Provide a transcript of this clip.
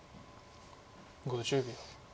５０秒。